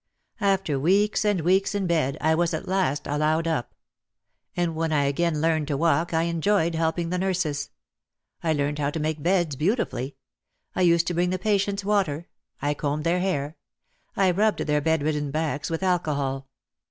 After weeks and weeks in bed I was at last allowed up. And when I again learned to walk I enjoyed helping the nurses. I learned how to make beds beautifully. I used to bring the patients water. I combed their hair. I rubbed their bed ridden backs with alcohol.